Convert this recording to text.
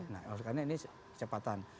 nah karena ini kecepatan